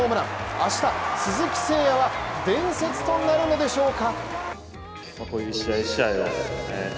明日、鈴木誠也は伝説となるのでしょうか。